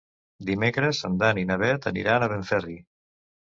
Dimecres en Dan i na Bet aniran a Benferri.